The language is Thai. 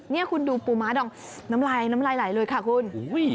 นี่คุณดูปูม้าดองน้ำลายเลยค่ะคุณ